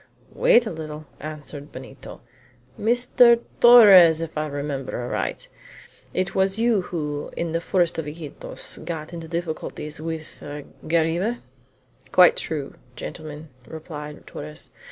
"Wait a little," answered Benito; "Mr. Torres, if I remember aright; it was you who, in the forest of Iquitos, got into difficulties with a guariba?" "Quite true, gentlemen," replied Torres.